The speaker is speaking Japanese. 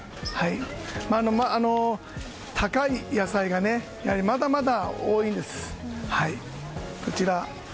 高い野菜がまだまだ多いです。